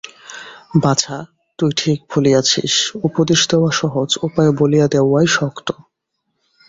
বাছা, তুই ঠিক বলিয়াছিস–উপদেশ দেওয়া সহজ, উপায় বলিয়া দেওয়াই শক্ত।